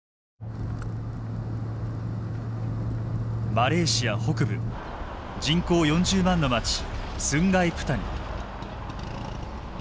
マレーシア北部人口４０万の街スンガイプタニ。